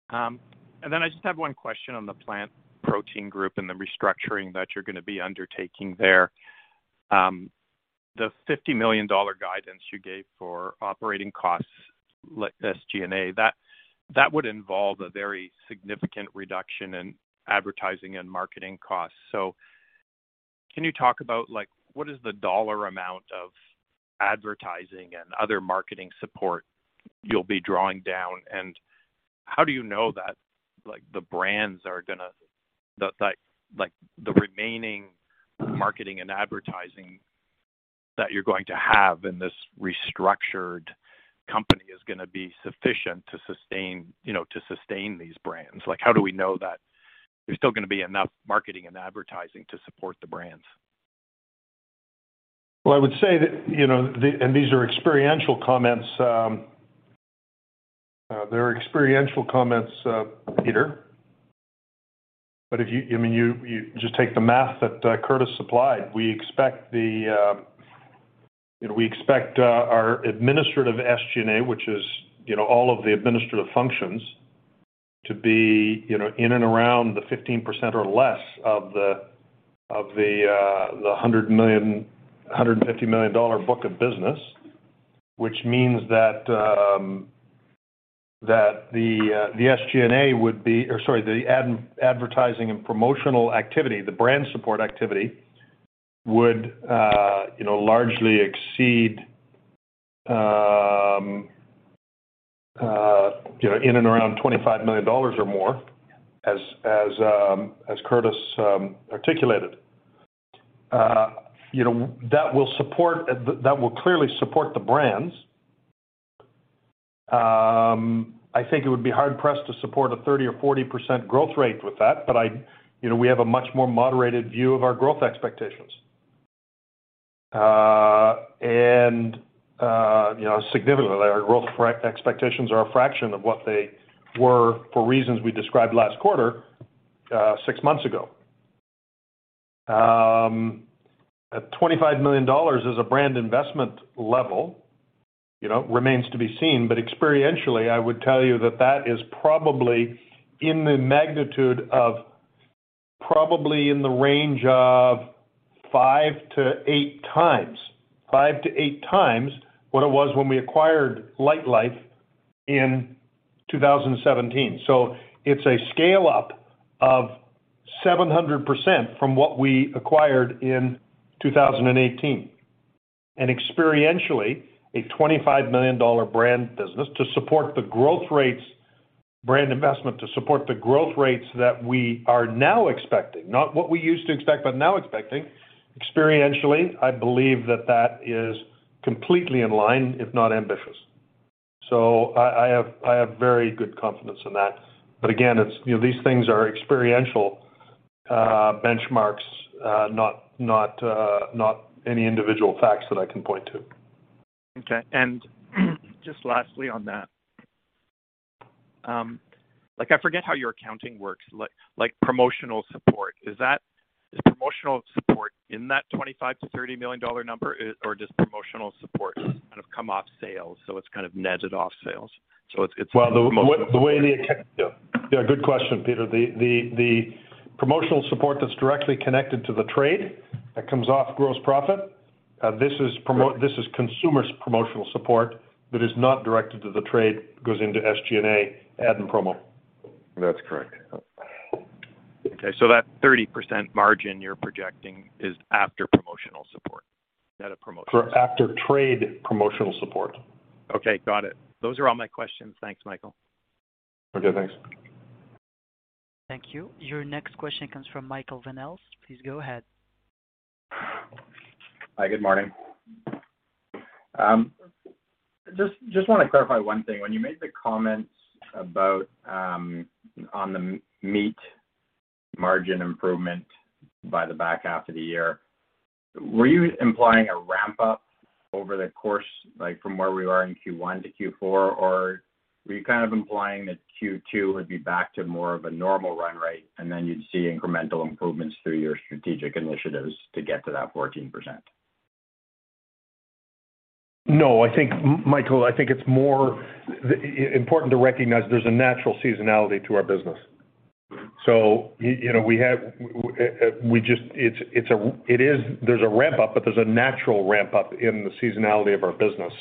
I just have one question on the plant protein group and the restructuring that you're gonna be undertaking there. The $50 million guidance you gave for operating costs, like SG&A, that would involve a very significant reduction in advertising and marketing costs. Can you talk about, like, what is the dollar amount of advertising and other marketing support you'll be drawing down? And how do you know that the remaining marketing and advertising that you're going to have in this restructured company is gonna be sufficient to sustain, you know, to sustain these brands? Like, how do we know that there's still gonna be enough marketing and advertising to support the brands? Well, I would say that, you know, these are experiential comments, Peter. If you I mean, you just take the math that Curtis supplied. We expect, you know, our administrative SG&A, which is, you know, all of the administrative functions to be, you know, in and around the 15% or less of the $150 million book of business. Which means that the SG&A would be or sorry, the advertising and promotional activity, the brand support activity would, you know, largely exceed, you know, in and around $25 million or more, as Curtis articulated. You know, that will clearly support the brands. I think it would be hard-pressed to support a 30% or 40% growth rate with that, but I, you know, we have a much more moderated view of our growth expectations. Significantly, our growth expectations are a fraction of what they were for reasons we described last quarter, six months ago. At 25 million dollars as a brand investment level, you know, remains to be seen. But experientially, I would tell you that is probably in the magnitude of in the range of 5-8 times what it was when we acquired Lightlife in 2017. It's a scale-up of 700% from what we acquired in 2018. Experientially, a 25 million dollar brand business to support the growth rates, brand investment to support the growth rates that we are now expecting, not what we used to expect, but now expecting. Experientially, I believe that that is completely in line, if not ambitious. I have very good confidence in that. Again, it's, you know, these things are experiential benchmarks, not any individual facts that I can point to. Okay. Just lastly on that. Like, I forget how your accounting works, like promotional support. Is promotional support in that 25 million-30 million dollar number or does promotional support kind of come off sales, so it's kind of netted off sales, so it's. Yeah, good question, Peter. The promotional support that's directly connected to the trade that comes off gross profit. This is consumer's promotional support that is not directed to the trade, goes into SG&A, ad and promo. That's correct. Okay. That 30% margin you're projecting is after promotional support, not a promotion? After trade promotional support. Okay, got it. Those are all my questions. Thanks, Michael. Okay, thanks. Thank you. Your next question comes from Michael Van Aelst. Please go ahead. Hi, good morning. Just want to clarify one thing. When you made the comments about the meat margin improvement by the back half of the year, were you implying a ramp up over the course, like, from where we were in Q1 to Q4? Or were you kind of implying that Q2 would be back to more of a normal run rate, and then you'd see incremental improvements through your strategic initiatives to get to that 14%? No, I think, Michael, I think it's more important to recognize there's a natural seasonality to our business. You know, there's a ramp-up, but there's a natural ramp-up in the seasonality of our business.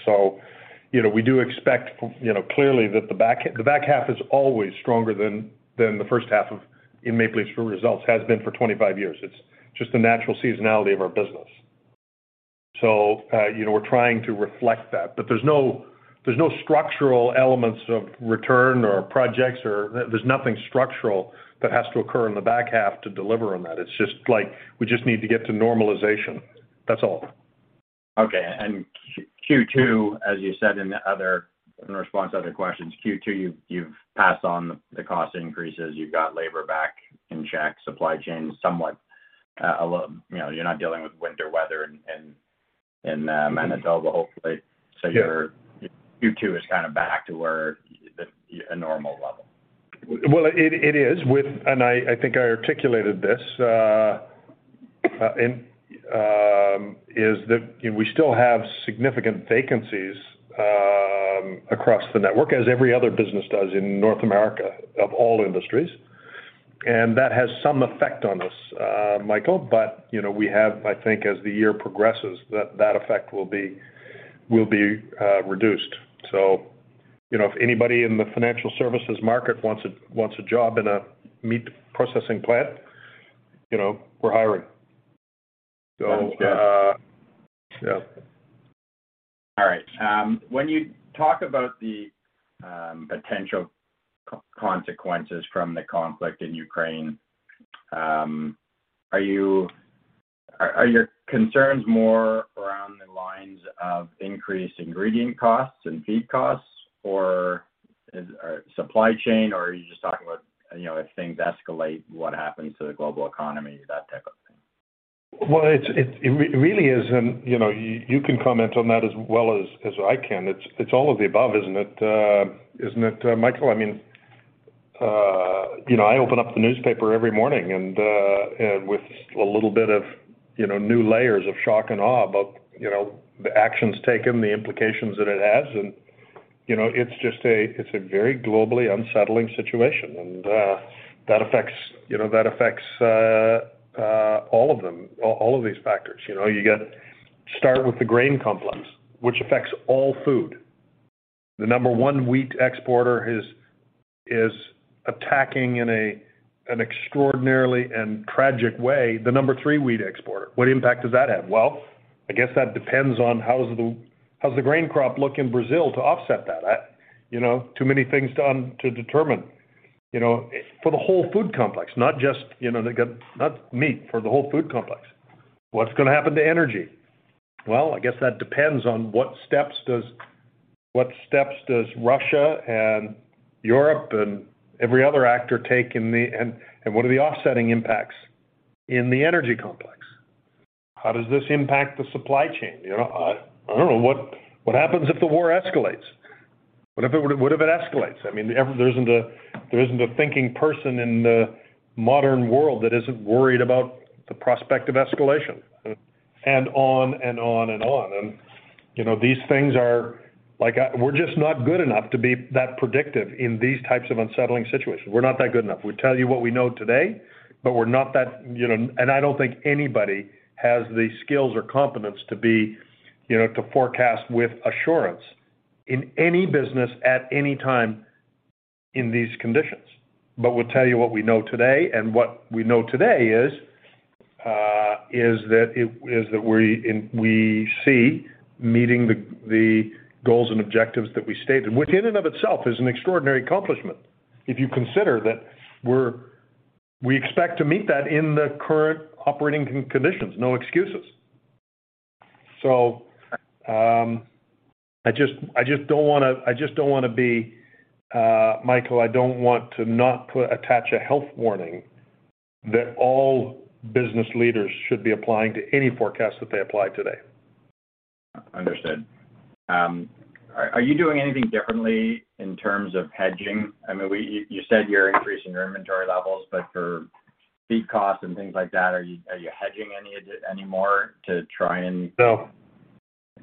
You know, we do expect, you know, clearly that the back half is always stronger than the first half of Maple Leaf's results, has been for 25 years. It's just the natural seasonality of our business. You know, we're trying to reflect that. There's no structural elements or return or projects or there's nothing structural that has to occur in the back half to deliver on that. It's just like, we just need to get to normalization. That's all. Okay. Q2, as you said in response to other questions, Q2, you've passed on the cost increases, you've got labor back in check, supply chain is somewhat, you know, you're not dealing with winter weather in Manitoba, hopefully. Yeah. Your Q2 is kind of back to where a normal level. Well, I think I articulated this in that you know, we still have significant vacancies across the network as every other business does in North America of all industries, and that has some effect on us, Michael. You know, we have, I think as the year progresses, that effect will be reduced. You know, if anybody in the financial services market wants a job in a meat processing plant, you know, we're hiring. Yeah. All right. When you talk about the potential consequences from the conflict in Ukraine, are your concerns more around the lines of increased ingredient costs and feed costs, or supply chain, or are you just talking about, you know, if things escalate, what happens to the global economy, that type of thing? It really isn't, you know. You can comment on that as well as I can. It's all of the above, isn't it, Michael? I mean, you know, I open up the newspaper every morning and with a little bit of, you know, new layers of shock and awe about, you know, the actions taken, the implications that it has. You know, it's just a very globally unsettling situation. That affects, you know, all of them, all of these factors. You know, start with the grain complex, which affects all food. The number one wheat exporter is attacking in an extraordinarily and tragic way the number three wheat exporter. What impact does that have? Well, I guess that depends on how the grain crop looks in Brazil to offset that? You know, too many things to determine. You know, for the whole food complex, not just, you know, not meat, for the whole food complex. What's gonna happen to energy? Well, I guess that depends on what steps Russia and Europe and every other actor take and what are the offsetting impacts in the energy complex? How does this impact the supply chain? You know, I don't know what happens if the war escalates? What if it escalates? I mean, there isn't a thinking person in the modern world that isn't worried about the prospect of escalation, and on and on and on. You know, these things are like, we're just not good enough to be that predictive in these types of unsettling situations. We're not that good enough. We tell you what we know today, but we're not that, you know. I don't think anybody has the skills or competence to be, you know, to forecast with assurance in any business at any time in these conditions. But we'll tell you what we know today, and what we know today is that we see meeting the goals and objectives that we stated, which in and of itself is an extraordinary accomplishment if you consider that we expect to meet that in the current operating conditions. No excuses. I just don't wanna be, Michael. I don't want to not attach a health warning that all business leaders should be applying to any forecast that they apply today. Understood. Are you doing anything differently in terms of hedging? I mean, you said you're increasing your inventory levels, but for feed costs and things like that, are you hedging any of it anymore to try and? No.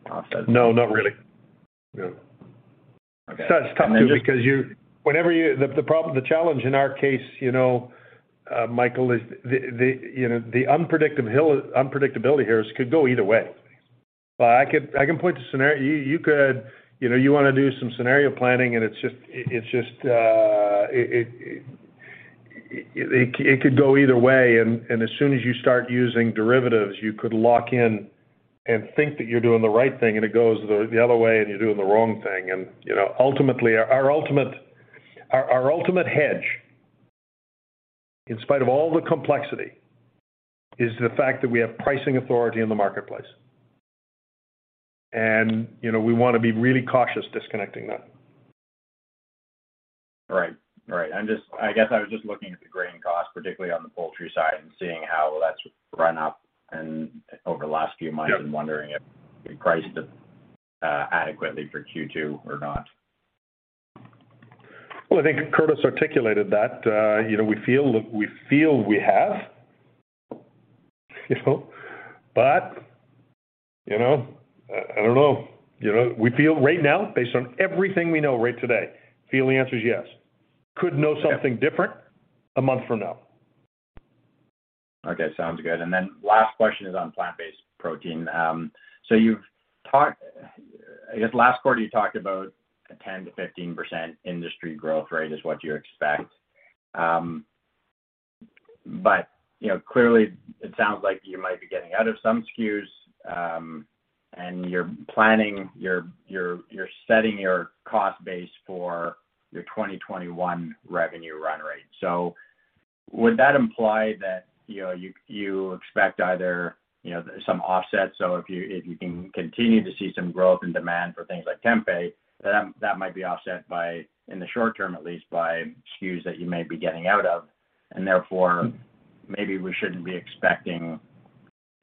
Offset? No, not really. No. Okay. It's tough too because the problem, the challenge in our case, you know, Michael, is the unpredictability here. It could go either way. I can point to scenario you could, you know, you wanna do some scenario planning and it's just it could go either way. As soon as you start using derivatives, you could lock in and think that you're doing the right thing and it goes the other way and you're doing the wrong thing. Ultimately, our ultimate hedge. In spite of all the complexity is the fact that we have pricing authority in the marketplace. You know, we want to be really cautious disconnecting that. Right. I guess I was just looking at the grain cost, particularly on the poultry side, and seeing how that's run up over the last few months. Yeah. wondering if you priced it adequately for Q2 or not? Well, I think Curtis articulated that, you know, we feel we have. You know? You know, I don't know. You know, we feel right now, based on everything we know right today, feel the answer is yes. Could know something different a month from now. Okay. Sounds good. Last question is on plant-based protein. You've talked. I guess last quarter you talked about a 10%-15% industry growth rate is what you expect. You know, clearly it sounds like you might be getting out of some SKUs, and you're planning your, you're setting your cost base for your 2021 revenue run rate. Would that imply that you know, you expect either some offset? If you can continue to see some growth and demand for things like tempeh, that might be offset by, in the short term at least, by SKUs that you may be getting out of, and therefore maybe we shouldn't be expecting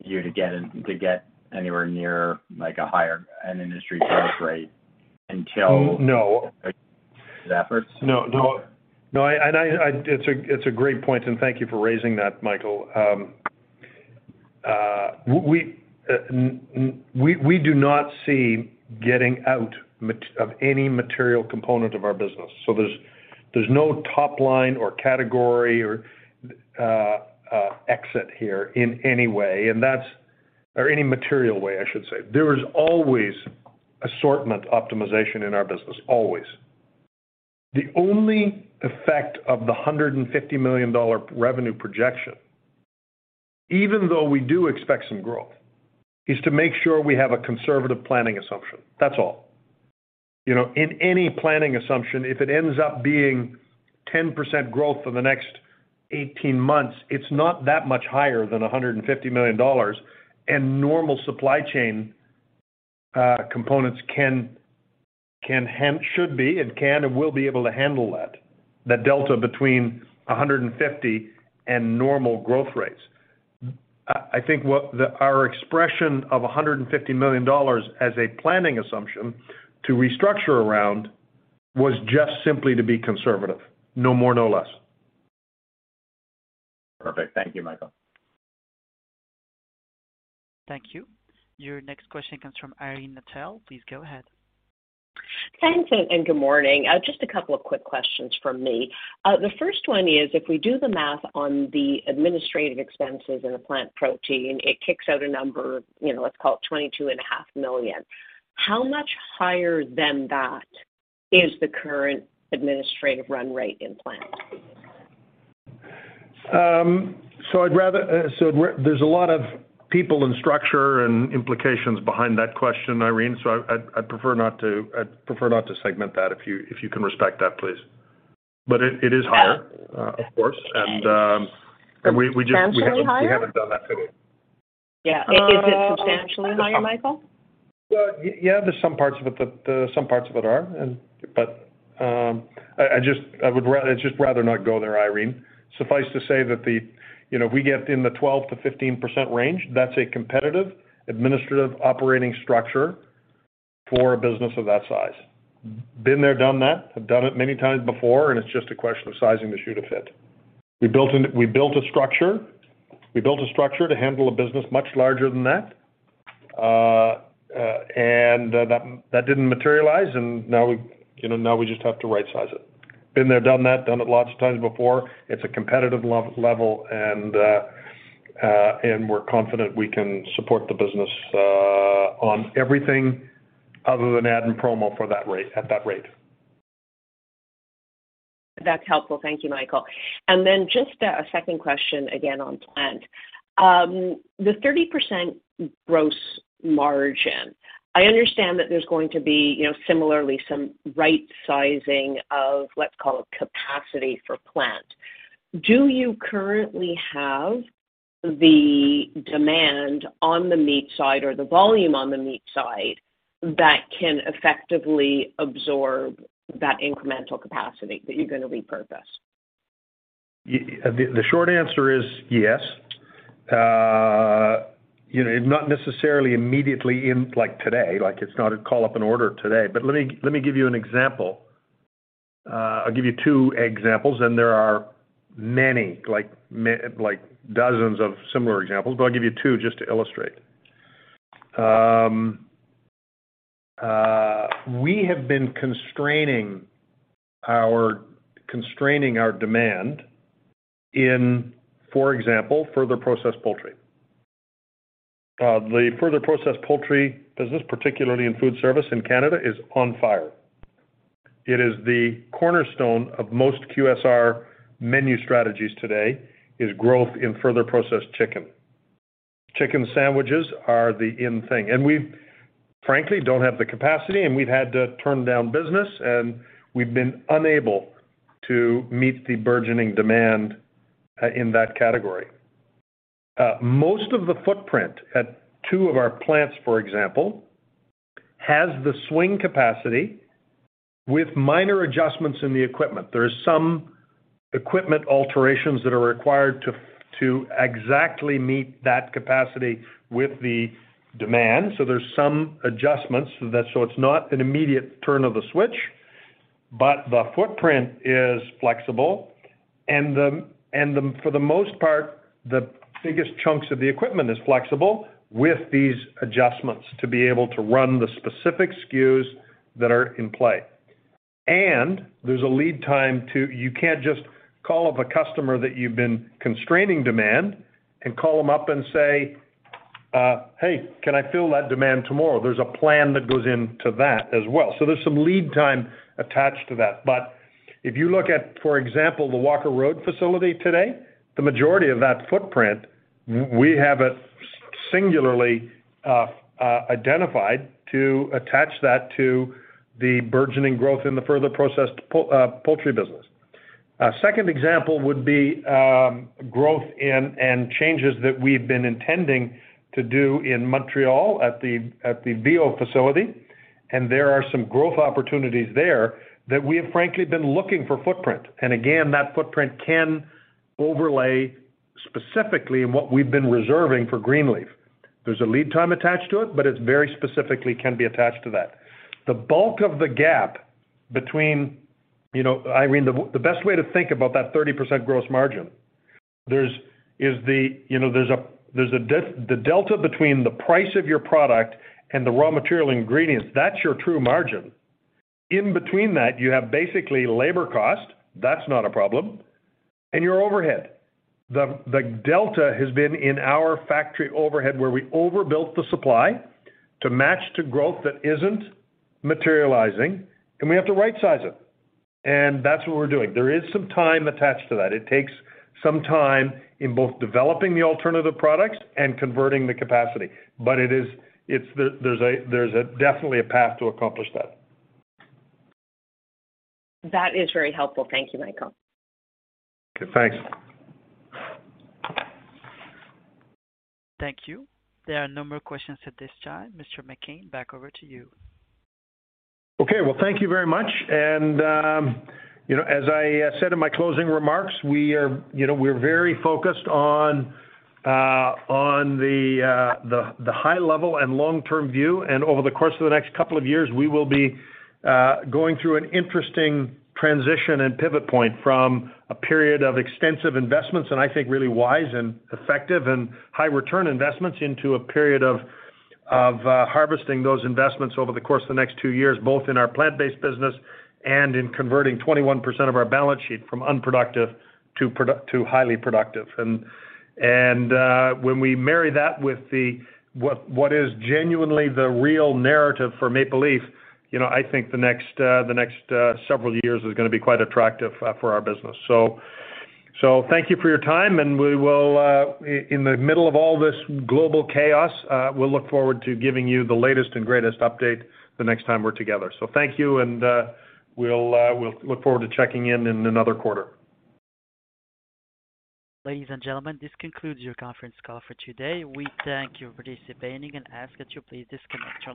you to get, to get anywhere near like a higher, an industry growth rate until- No. -efforts? No. It's a great point, and thank you for raising that, Michael. We do not see getting out of any material component of our business. There's no top line or category or exit here in any way, and that's, or any material way, I should say. There is always assortment optimization in our business, always. The only effect of the $150 million revenue projection, even though we do expect some growth, is to make sure we have a conservative planning assumption. That's all. You know, in any planning assumption, if it ends up being 10% growth for the next 18 months, it's not that much higher than $150 million. Normal supply chain components should be and can and will be able to handle that, the delta between 150 and normal growth rates. I think our expression of $150 million as a planning assumption to restructure around was just simply to be conservative. No more, no less. Perfect. Thank you, Michael. Thank you. Your next question comes from Irene Nattel. Please go ahead. Thanks, good morning. Just a couple of quick questions from me. The first one is, if we do the math on the administrative expenses in the plant protein, it kicks out a number, you know, let's call it 22 and a half million. How much higher than that is the current administrative run rate in plant? There's a lot of people and structure and implications behind that question, Irene, so I'd prefer not to segment that if you can respect that, please. It is higher- Yeah. Of course. We just- Substantially higher? We haven't done that today. Yeah. Uh. Is it substantially higher, Michael? Yeah, there are some parts of it that are. I'd just rather not go there, Irene. Suffice to say that, you know, we get in the 12%-15% range. That's a competitive administrative operating structure for a business of that size. Been there, done that. I've done it many times before, and it's just a question of sizing the shoe to fit. We built a structure to handle a business much larger than that. And that didn't materialize, and now we, you know, just have to rightsize it. Been there, done that, done it lots of times before. It's a competitive level, and we're confident we can support the business on everything other than ad and promo for that rate, at that rate. That's helpful. Thank you, Michael. Just a second question again on plant. The 30% gross margin, I understand that there's going to be, you know, similarly some right sizing of let's call it capacity for plant. Do you currently have the demand on the meat side or the volume on the meat side that can effectively absorb that incremental capacity that you're gonna repurpose? The short answer is yes. You know, not necessarily immediately in, like, today. Like, it's not a call up an order today. Let me give you an example. I'll give you two examples, and there are many, like, dozens of similar examples, but I'll give you two just to illustrate. We have been constraining our demand in, for example, further processed poultry. The further processed poultry business, particularly in food service in Canada, is on fire. It is the cornerstone of most QSR menu strategies today, is growth in further processed chicken. Chicken sandwiches are the in thing. We frankly don't have the capacity, and we've had to turn down business, and we've been unable to meet the burgeoning demand, in that category. Most of the footprint at two of our plants, for example, has the swing capacity with minor adjustments in the equipment. There is some equipment alterations that are required to exactly meet that capacity with the demand. There's some adjustments so that it's not an immediate turn of the switch, but the footprint is flexible. For the most part, the biggest chunks of the equipment is flexible with these adjustments to be able to run the specific SKUs that are in play. There's a lead time too. You can't just call up a customer that you've been constraining demand and call them up and say, "Hey, can I fill that demand tomorrow?" There's a plan that goes into that as well. There's some lead time attached to that. If you look at, for example, the Walker Road facility today, the majority of that footprint, we have it singularly identified to attach that to the burgeoning growth in the further processed poultry business. Second example would be growth and changes that we've been intending to do in Montreal at the Viau facility. There are some growth opportunities there that we have frankly been looking for footprint. Again, that footprint can overlay specifically in what we've been reserving for Greenleaf. There's a lead time attached to it, but it's very specifically can be attached to that. The bulk of the gap between. You know, Irene, the best way to think about that 30% gross margin is, you know, the delta between the price of your product and the raw material ingredients. That's your true margin. In between that, you have basically labor cost. That's not a problem, and your overhead. The delta has been in our factory overhead, where we overbuilt the supply to match to growth that isn't materializing, and we have to rightsize it. That's what we're doing. There is some time attached to that. It takes some time in both developing the alternative products and converting the capacity. It is. There's definitely a path to accomplish that. That is very helpful. Thank you, Michael. Okay, thanks. Thank you. There are no more questions at this time. Mr. McCain, back over to you. Okay. Well, thank you very much. You know, as I said in my closing remarks, we are, you know, we're very focused on the high level and long-term view. Over the course of the next couple of years, we will be going through an interesting transition and pivot point from a period of extensive investments, and I think really wise and effective and high return investments, into a period of harvesting those investments over the course of the next two years, both in our plant-based business and in converting 21% of our balance sheet from unproductive to highly productive. When we marry that with what is genuinely the real narrative for Maple Leaf, you know, I think the next several years is gonna be quite attractive for our business. Thank you for your time, and we will in the middle of all this global chaos, we'll look forward to giving you the latest and greatest update the next time we're together. Thank you, and we'll look forward to checking in in another quarter. Ladies and gentlemen, this concludes your conference call for today. We thank you for participating and ask that you please disconnect your-